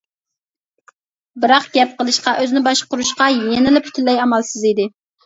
بىراق گەپ قىلىشقا، ئۆزىنى باشقۇرۇشقا يەنىلا پۈتۈنلەي ئامالسىز ئىدى.